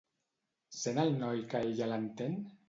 Sent el noi que ella l'entén?